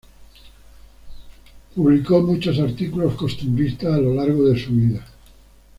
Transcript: Publicó muchos artículos costumbristas a lo largo de su vida.